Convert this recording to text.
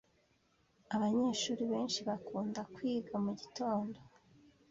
Abanyeshuri benshi bakunda kwiga mugitondo.